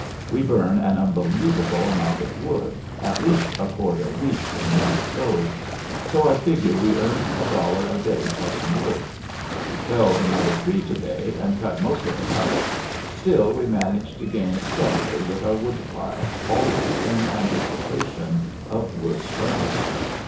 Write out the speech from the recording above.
We burn an unbelievable amount of wood, at least a cord a week in one stove. So I figure we earn a dollar a day cutting wood. We felled another tree to day and cut most of it up. Still we manage to gain steadily with our wood pile always in anticipation of worse weather.